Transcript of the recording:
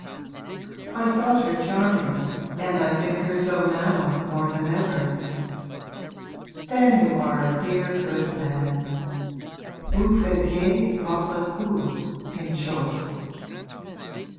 'I thought her charming, and I think her so now more than ever.' 'Then you are a dear good man. Vous faisiez votre cour, in short.'